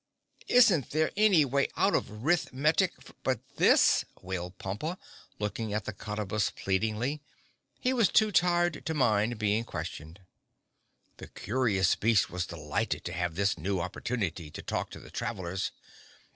"Isn't there any way out of Rith Metic but this?" wailed Pompa, looking at the Cottabus pleadingly. He was too tired to mind being questioned. The curious beast was delighted to have this new opportunity to talk to the travelers.